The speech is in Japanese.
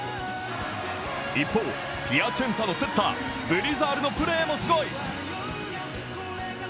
一方、ピアチェンツァのセッターブリザールのプレーもすごい。